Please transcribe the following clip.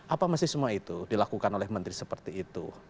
apa masih semua itu dilakukan oleh menteri seperti itu